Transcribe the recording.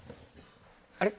あれ？